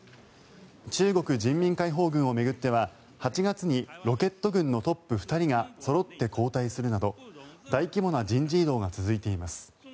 中国人民解放軍を巡っては８月にロケット軍のトップが２人がそろって交代するなど大規模な人事異動が続いています。